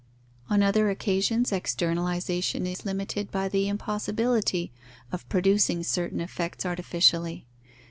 On other occasions externalization is limited by the impossibility of producing certain effects artificially.